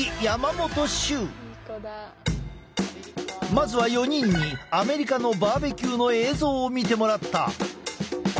まずは４人にアメリカのバーベキューの映像を見てもらった。